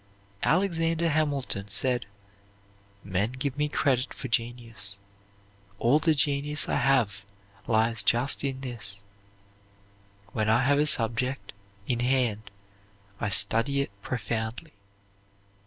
Alexander Hamilton said, "Men give me credit for genius. All the genius I have lies just in this: when I have a subject in hand I study it profoundly.